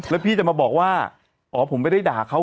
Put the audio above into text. แล้วพี่จะมาบอกว่าอ๋อผมไม่ได้ด่าเขา